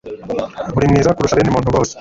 uri mwiza kurusha bene muntu bose